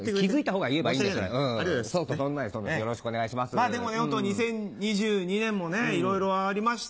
まぁでもホント２０２２年もいろいろありました。